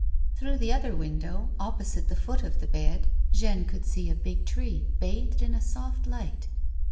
Through the other window, opposite the foot of the bed, Jeanne could see a big tree bathed in a soft light.